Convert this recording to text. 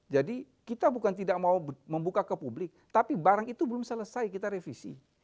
jadi kita bukan tidak mau membuka ke publik tapi barang itu belum selesai kita revisi